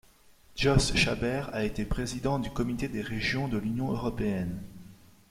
Jos Chabert a été président du Comité des Régions de l'Union européenne.